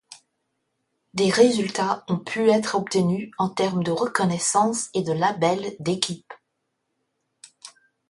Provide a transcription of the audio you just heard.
Des résultats ont pu être obtenus en termes de reconnaissance et de labels d'équipes.